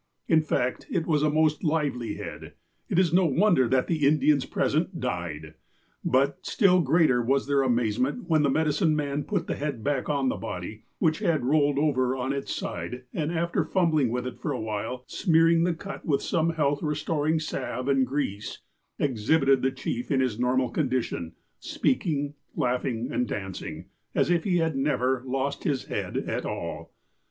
In fact, it was a most lively head, and it is no wonder that the Indians present ''died." But, still greater was their amazement, when the medicine man put the head back again on the body, which had rolled over on to its side, and, after fumbling with it for a while, smearing the cut with some health restoring salve and grease, exhibited the chief in his normal condition, speaking, laughing, and dancing, as if he had never " lost his head " at all.